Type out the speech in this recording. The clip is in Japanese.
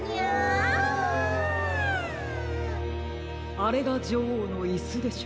あれがじょおうのイスでしょうか。